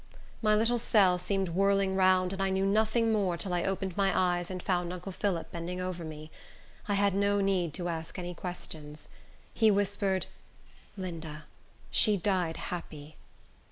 My little cell seemed whirling round, and I knew nothing more till I opened my eyes and found uncle Phillip bending over me. I had no need to ask any questions. He whispered, "Linda, she died happy."